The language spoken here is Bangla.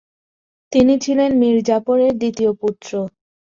তিনি ছিলেন মীর জাফরের দ্বিতীয় পুত্র।